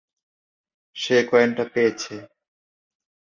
সে কয়েনটা পেয়েছে!